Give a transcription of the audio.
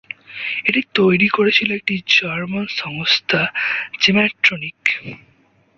এটি তৈরি করেছিল একটি জার্মান সংস্থা, জেম্যাট্রোনিক।